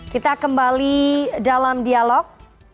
kita kembali dalam dialog